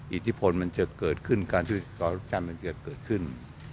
อิทธิพลมันจะเกิดขึ้นการมันจะเกิดขึ้น